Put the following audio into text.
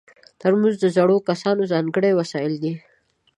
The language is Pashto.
ترموز د زړو کسانو ځانګړی وسایل دي.